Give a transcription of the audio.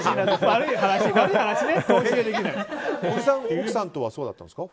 奥さんとはそうだったんですか？